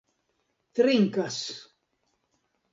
trinkas